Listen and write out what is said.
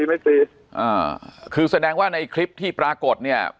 ไม่ติดอ่าคือแสดงว่าในคลิปที่ปรากฏเนี่ย